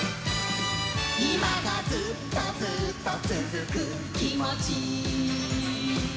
「いまがずっとずっとつづくきもち」